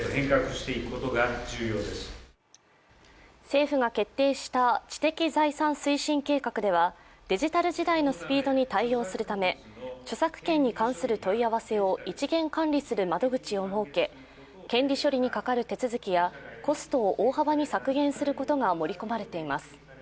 政府が決定した知的財産推進計画ではデジタル時代のスピードに対応するため著作権に関する問い合わせを一元管理する窓口を設け権利処理にかかる手続きやコストを大幅に削減することなどが盛り込まれています。